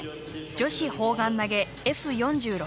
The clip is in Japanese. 女子砲丸投げＦ４６